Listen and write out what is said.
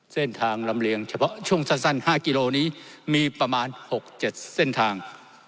เส้นทางลำเลียงเฉพาะช่วงสั้น๕กิโลนี้มีประมาณ๖๗เส้นทาง